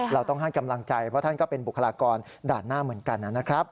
เราต้องให้กำลังใจเพราะท่านก็เป็นบุคลากรด่านหน้าเหมือนกันนะครับ